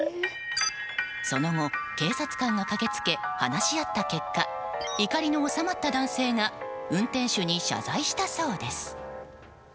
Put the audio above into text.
その後、警察官が駆け付け話し合った結果怒りの収まった男性が運転手に謝罪したそうです。